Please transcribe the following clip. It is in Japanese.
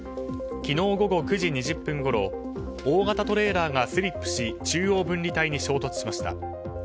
昨日午後９時２０分ごろ大型トレーラーがスリップし中央分離帯に衝突しました。